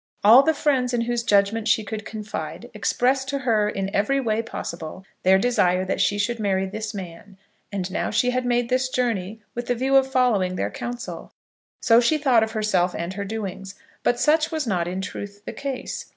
All the friends in whose judgment she could confide expressed to her in every possible way their desire that she should marry this man; and now she had made this journey with the view of following their counsel. So she thought of herself and her doings; but such was not in truth the case.